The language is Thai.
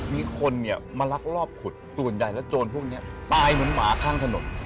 มีคนเนี่ยมาลักลอบขุดส่วนใหญ่แล้วโจรพวกนี้ตายเหมือนหมาข้างถนน